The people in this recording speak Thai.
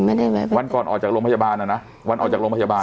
ไม่ได้แวะไปวันก่อนออกจากโรงพยาบาลน่ะนะวันออกจากโรงพยาบาล